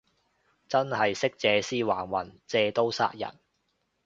真係識借屍還魂，借刀殺人